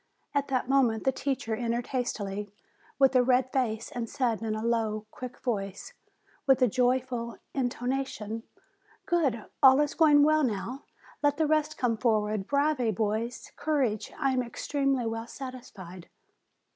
At that moment the teacher entered hastily, with a red face, and said, in a low, quick voice, with a joyful in tonation : "Good, all is going well now, let the rest come for ward; bravi, boys! Courage! I am extremely well satisfied."